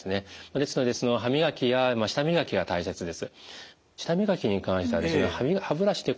ですので歯磨きや舌磨きが大切です。